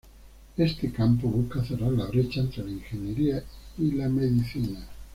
Este campo busca cerrar la brecha entre la ingeniería y la medicina.